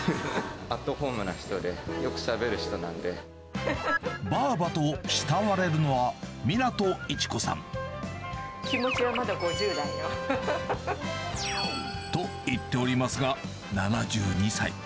アットホームな人で、よくしばあばと慕われるのは、気持ちはまだ５０代よ。と言っておりますが、７２歳。